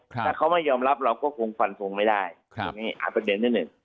ถ้าเขาไม่ยอมรับเราก็ฝงฝั่นฝงไม่ได้คือแบบนี้อันประเด็นที่หนึ่ง